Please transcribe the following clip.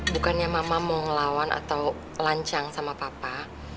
bukannya mama mau ngelawan atau lancang sama papa